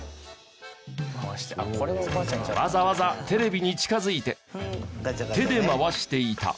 わざわざテレビに近づいて手で回していた。